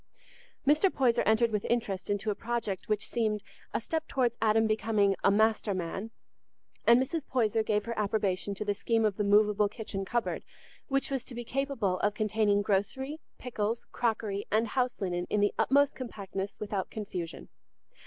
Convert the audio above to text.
Mr. Poyser entered with interest into a project which seemed a step towards Adam's becoming a "master man," and Mrs. Poyser gave her approbation to the scheme of the movable kitchen cupboard, which was to be capable of containing grocery, pickles, crockery, and house linen in the utmost compactness without confusion.